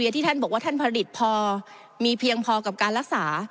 ที่ท่านบอกว่าท่านผลิตพอมีเพียงพอกับการรักษา